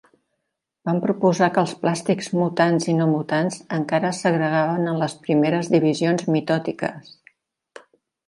Va proposar que els plàstics mutants i no mutants encara es segregaven en les primeres divisions mitòtiques.